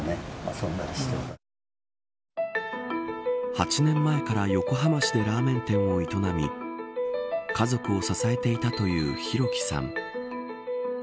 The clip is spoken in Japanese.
８年前から横浜市でラーメン店を営み家族を支えていたという弘輝さん。